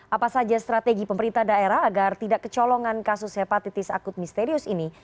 apa saja strategi pemerintah daerah agar tidak kecolongan kasus hepatitis akut misterius ini